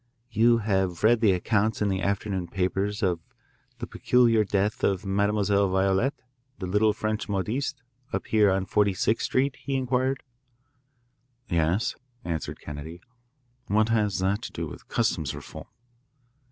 "You have read the accounts in the afternoon papers of the peculiar death of Mademoiselle Violette, the little French modiste, up here on Forty sixth Street?" he inquired. "Yes," answered Kennedy. "What has that to do with customs reform?"